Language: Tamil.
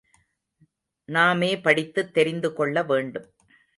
நாமே படித்துத் தெரிந்துகொள்ள வேண்டும்.